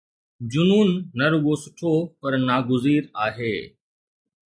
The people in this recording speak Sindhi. جنون نه رڳو سٺو پر ناگزير آهي.